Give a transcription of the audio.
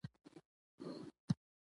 د مېلو پر وخت خلک د پخلنځي سیالۍ هم جوړوي.